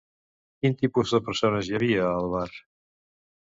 Quin tipus de persones hi havia, al bar?